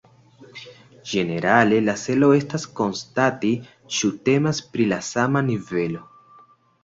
Ĝenerale la celo estas konstati ĉu temas pri la sama nivelo.